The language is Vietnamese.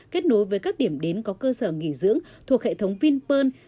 kết nối với các điểm đến có cơ sở nghỉ dưỡng thuộc hệ thống vinpearl